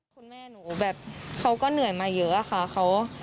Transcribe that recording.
คุณแม่หนูแบบเขาก็เหนื่อยมาเยอะอะค่ะ